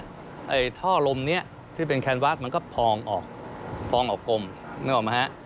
ไอ้ท่อลมนี้ที่เป็นแคนวาสมันก็พองออกพองออกกลมนึกออกไหมฮะ